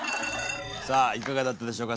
さあいかがだったでしょうか？